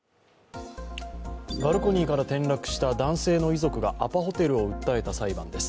バルコニーから転落した男性の遺族がアパホテルを訴えた裁判です。